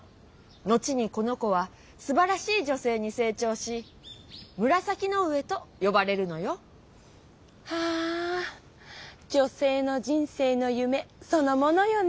後にこの子はすばらしい女性に成長し紫の上とよばれるのよ。はあ女性の人生のゆめそのものよね。